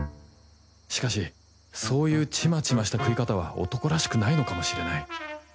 しかしそういうチマチマした食い方は男らしくないのかもしれない。